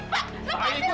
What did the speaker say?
pak lepas dia